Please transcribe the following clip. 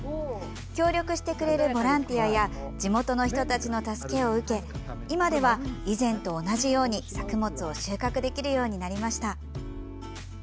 協力してくれるボランティアや地元の人たちの助けを受け今では、以前と同じように作物を収穫できるようになりました。